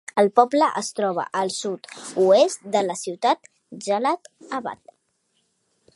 El poble es troba al sud-oest de la ciutat Jalal-Abad.